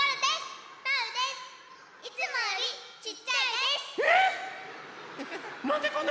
いつもよりちっちゃいです！